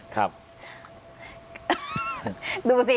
ดูสิ